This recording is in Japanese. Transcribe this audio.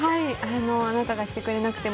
「あなたがしてくれなくても」